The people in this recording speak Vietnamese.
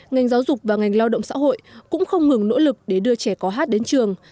ngành giáo dục và ngành lao động xã hội cũng không ngừng nỗ lực để đưa trẻ có hát đến trường